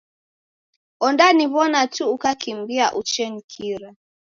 Ondaniw'ona tu ukakimbia uchenikira.